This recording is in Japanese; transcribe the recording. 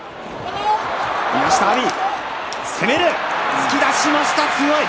突き出しました、強い。